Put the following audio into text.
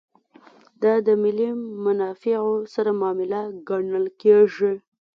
دا د ملي منافعو سره معامله ګڼل کېږي.